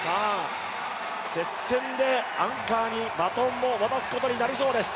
接戦でアンカーにバトンを渡すことになりそうです。